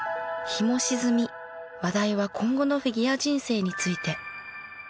日も沈み話題は今後のフィギュア人生について。